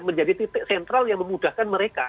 menjadi titik sentral yang memudahkan mereka